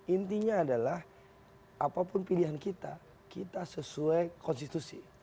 intinya adalah apapun pilihan kita kita sesuai konstitusi